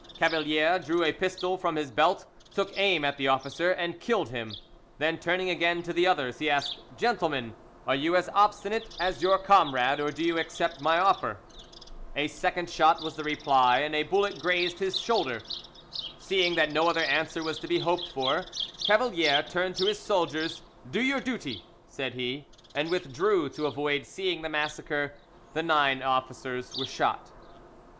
Cavalier drew a pistol from his belt, took aim at the officer and killed him, then turning again to the others, he asked, "Gentlemen, are you as obstinate as your comrade, or do you accept my offer?" A second shot was the reply, and a bullet grazed his shoulder. Seeing that no other answer was to be hoped for, Cavalier turned to his soldiers. "Do your duty," said he, and withdrew, to avoid seeing the massacre. The nine officers were shot.